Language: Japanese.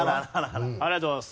ありがとうございます。